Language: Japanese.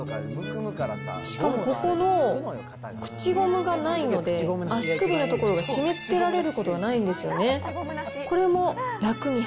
しかもここの口ゴムがないので、足首の所が締めつけられることがないんですよね。